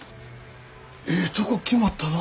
ええとこ決まったな。